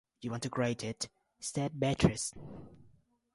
“You want to grate it,” said Beatrice.